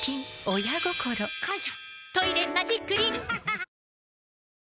親心！感謝！